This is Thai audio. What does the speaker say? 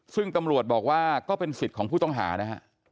ซึ่งตำรวจบอกว่าก็เป็นสิทธิ์ของผู้ต้องหานะฮะ